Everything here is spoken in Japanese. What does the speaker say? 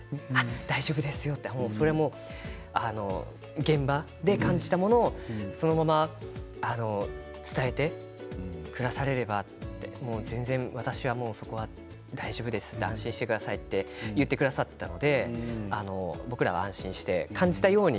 大丈夫ですよとそれも現場で感じたものをそのまま伝えてくだされば全然、私はそこは大丈夫です安心してくださいと言ってくださったので僕らは安心して、感じたように。